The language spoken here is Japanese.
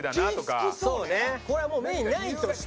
これはもうメインないとして。